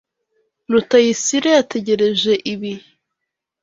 Rutayisire yategereje ibi.